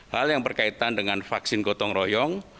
hal yang berkaitan dengan vaksin gotong royong